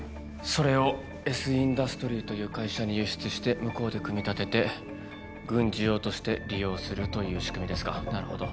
それをＳ・インダストリーという会社に輸出して向こうで組み立てて軍事用として利用するという仕組みですかなるほど。